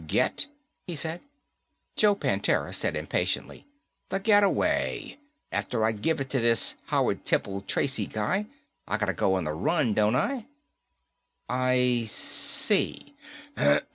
"Get?" he said. Joe Prantera said impatiently, "The getaway. After I give it to this Howard Temple Tracy guy, I gotta go on the run, don't I?" "I see."